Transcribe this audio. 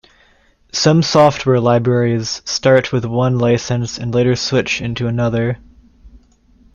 Some software libraries start with one license and later switch into another.